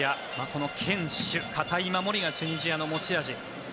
この堅守堅い守りがチュニジアの持ち味。